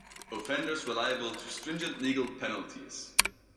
Offenders were liable to stringent legal penalties.